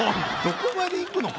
どこまでいくの？